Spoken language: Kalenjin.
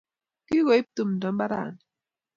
Kokoip tumdo mbaranni